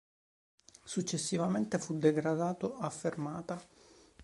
Successivamente fu degradato a fermata.